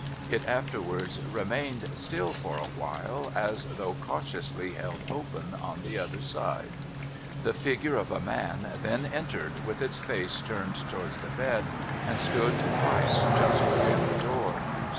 It afterwards remained still for a while, as though cautiously held open on the other side. The figure of a man then entered, with its face turned towards the bed, and stood quiet just within the door.